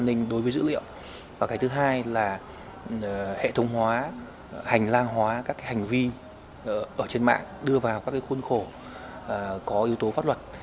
hệ thống hóa là hệ thống hành lang hóa các hành vi trên mạng đưa vào các khuôn khổ có yếu tố pháp luật